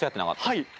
はい。